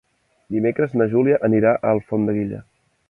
Dimecres na Júlia anirà a Alfondeguilla.